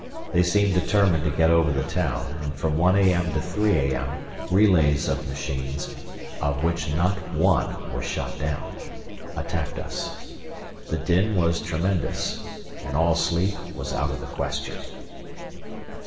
They seemed determined to get over the town, and from 1 a.m. to 3 a.m. relays of machines (of which not one was shot down) attacked us. The din was tremendous, and all sleep was out of the question.